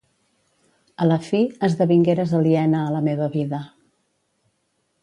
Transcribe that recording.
A la fi, esdevingueres aliena a la meva vida.